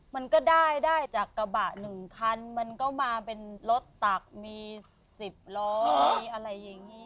มันก็ได้จากกระบะหนึ่งคันมันก็มาเป็นรถตักมีสิบล้อมีอะไรอย่างเงี้ย